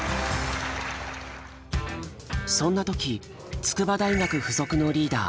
そんな時筑波大学附属のリーダー